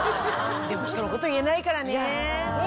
でもひとのこと言えないからね。